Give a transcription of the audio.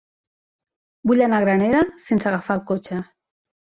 Vull anar a Granera sense agafar el cotxe.